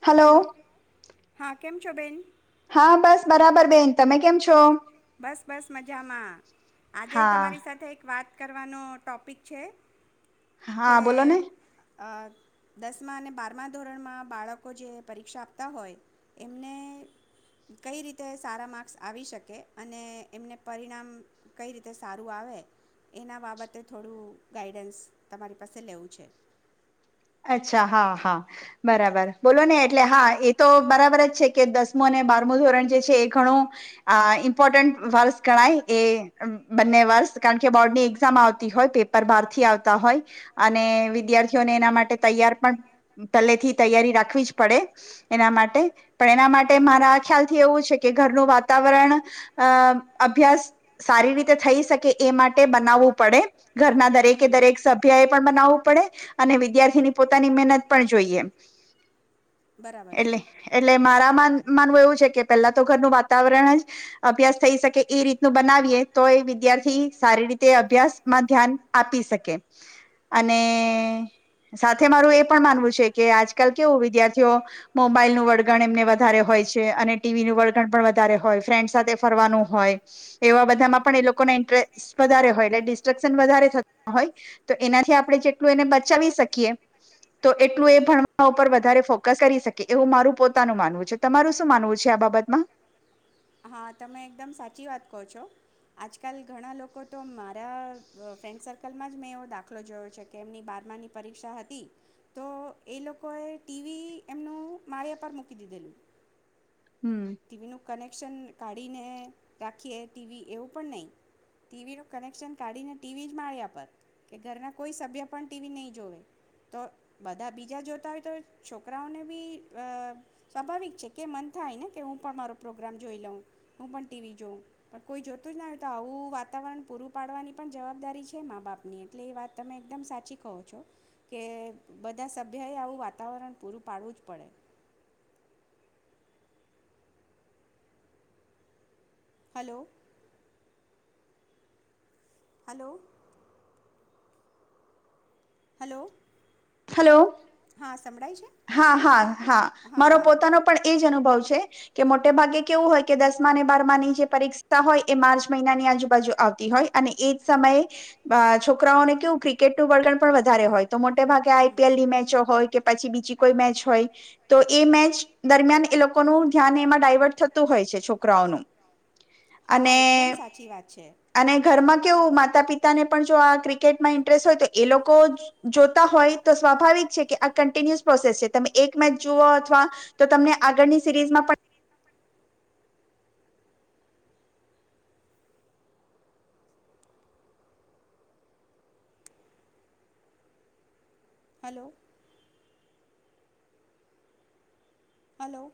Hello. હા કેમ છો બેન. હા બસ બરાબર બેન તમે કેમ છો. બસ બસ મજામાં આજે હા તમારી સાથે એક વાત કરવાનો ટૉપિક છે. હા બોલો ને. આ દસમા અને બારમા ધોરણમાં બાળકો જે પરીક્ષા આપતા હોય એમને કઈ રીતે સારા માર્ક્સ આવી શકે. અને એમને પરિણામ કઈ રીતે સારું આવે એના બાબતે થોડું ગાઈડન્સ તમારી પાસે લેવું છે. અચ્છા હા હા બરાબર બોલો ને એટલે હા એ તો બરાબર જ છે કે દસમું અને બારમું ધોરણ જે છે એ ઘણું આ ઇમ્પોર્ટન્ટ વર્ષ ગણાય એ બંને વર્ષ કારણ કે બોર્ડની એક્ઝામ આવતી હોય પેપર બારથી આવતા હોય અને વિદ્યાર્થીઓને એના માટે તે તૈયાર પણ પહેલેથી તૈયારી રાખવી જ પડે એના માટે પણ એના માટે હા મારા ખ્યાલથી એવું છે કે ઘરનું વાતાવરણ અ અભ્યાસ સારી રીતે થઈ શકે એ માટે બનાવવું પડે ઘરના દરેકે હમ દરેક સભ્ય એ પણ બનાવવું પડે અને વિદ્યાર્થી ની પોતાની મહેનત પણ જોઈએ. બરાબર છે એટલે એટલે મારા મન માનવું એવું છે કે પેલા તો ઘરનું વાતાવરણ જ અભ્યાસ થઈ શકે એ રીતનું બનાવીએ તો એ વિદ્યાર્થી સારી રીતે અભ્યાસમાં ધ્યાન આપી શકે અને સાથે હા. મારું એ પણ માનવું છે કે આજકાલ કેવું વિદ્યાર્થીઓ મોબાઈલનું વળગણ એમને વધારે હોય છે અને ટીવી ન વળગણ પણ વધારે હોય ફ્રેન્ડ સાથે ફરવાનું હોય એવા હમ. બધામાં પણ એ લોકોના ઇન્ટરેસ્ટ વધારે હોય એટલે ડિસ્ટ્રેક્શન વધારે થતા હોય તો એનાથી આપણે જેટલું એને બચાવી શકી શકીએ તો એટલું એ ભણ ઉપર વધારે ફોકસ કરી શકે એવું મારું પોતાનું માનવું છે તમારું શું માનવું છે આ બાબતમાં. હા તમે એકદમ સાચી વાત કહો છો આજકાલ ઘણા લોકો તો મારા ફ્રેન્ડ સર્કલમાં જ મેં એવો દાખલો જોયો છે કે એમની બારમાની પરીક્ષા હતી તો એ લોકોએ ટીવી એમનું મારે પર મૂકી દીધેલું. હમ ટીવી નું કનેક્શન કાઢીને રાખીએ ટીવી એવું પણ નહીં ટીવીનું કનેક્શન કાઢીને ટીવી જ માળ્યા પર કે ઘરના કોઈ સભ્ય પણ ટીવી નહીં જોવે તો બધા બીજા જોતા હોય તો છોકરાઓને બી સ્વાભાવિક છે કે મન થાય ને. કે હું પણ મારો પ્રોગ્રામ જોઈ લઉં હું પણ ટીવી જોઉં પણ કોઈ જોતું જ ના હોય તો આવું વાતાવરણ પૂરું પાડવાની પણ જવાબદારી છે મા બાપની એટલે એ વાત તમે એકદમ સાચી કહો છો કે બધા સભ્યએ આવું વાતાવરણ પૂરું પાડવું જ પડે. હલો. હલો. હલો. હલો. હા. સંભળાય છે હા હા હા મારો પોતાનો પણ એ જ અનુભવ છે. તે કે મોટે ભાગે કેવું હોય કે દસમા અને બારમાની જે પરીક્ષા હોય એ માર્ચ મહિનાની આજુબાજુ આવતી હોય અને એજ સમયે આ છોકરાઓને કેવું ક્રિકેટ નું વળગણ પણ વધારે હોય. તો મોટે ભાગે આઈ હમ પી એલ ની મેચો હોય કે પછી બી બીજી કોઈ મેચ હોય તો એ મેચ દરમિયાન એ લોકોનું ધ્યાન એમાં ડાયવર્ટ થતું હોય છે છોકરાઓનું. હા અને એકદમ સાચી વાત છે અને ઘરમાં કેવું માતા પિતા ને પણ જો આ ક્રિકેટમાં ઇન્ટરેસ્ટ હોય તો એ લોકો જોતા હોય તો સ્વાભાવિક છે કે આ કન્ટિન્યુસ પ્રોસેસ છે તમે એક મેચ જુઓ અથવા તો તમને આગળની સિરીઝમાં પણ hello. Hello.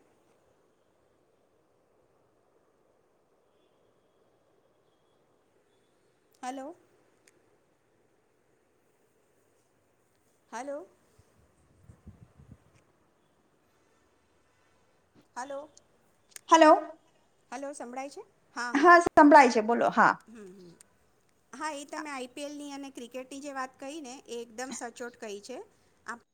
Hello. Hello hello hello hello સંભળાય છે. હા સંભળાય છે બોલો હા હા એ તમે આઈપીએલની અને ક્રિકેટની જે વાત કહી ને એ એકદમ સચોટ કહી છે.